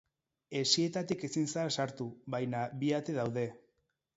Hesietatik ezin zara sartu, baina bi ate daude.